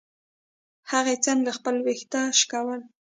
هغې څنګه خپل ويښته شکول.